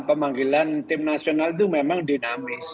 pemanggilan timnasional itu memang dinamis